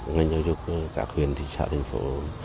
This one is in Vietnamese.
ngành giáo dục các huyện thị trạng thành phố